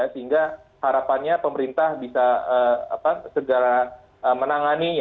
sehingga harapannya pemerintah bisa segera menangani ya